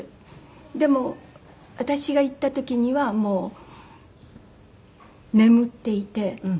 でも私が行った時にはもう眠っていて。